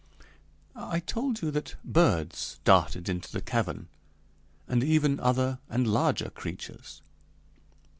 I told you that birds darted into the cavern, and even other and larger creatures.